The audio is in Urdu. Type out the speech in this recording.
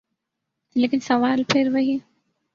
لیکن سوال پھر وہی۔